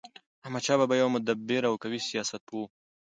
احمدشاه بابا يو مدبر او قوي سیاست پوه و.